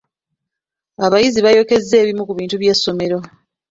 Abayizi baayokezza ebimu ku bintu by’essomero.